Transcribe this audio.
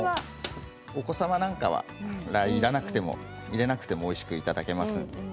お子様なんかは入れなくてもおいしくいただけます。